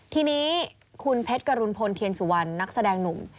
ทีนี้คุณเพชรกรุณพลเทียนสุวรรณนักแสดงหนุ่ม